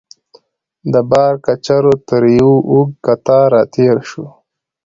د بار کچرو تر یوه اوږد قطار راتېر شوو.